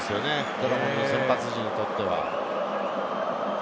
ドラゴンズの先発陣にとっては。